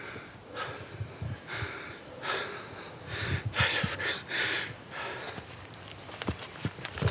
大丈夫ですか？